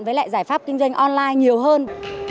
với lại giải pháp kinh doanh online nhiều hơn